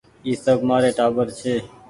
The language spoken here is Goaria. اي سب مآري ٽآٻر ڇي۔